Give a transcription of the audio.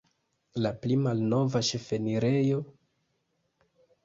La pli malnova ĉefenirejo estis ĉe la nuna Stelzen-pordego.